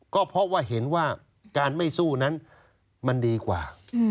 ก็เพราะว่าเห็นว่าการไม่สู้นั้นมันดีกว่า